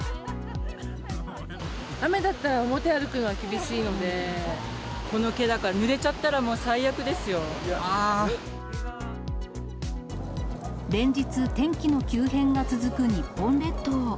雨だったら表歩くのは厳しいこの毛だから、ぬれちゃった連日、天気の急変が続く日本列島。